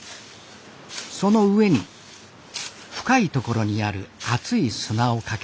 その上に深い所にある熱い砂をかけます。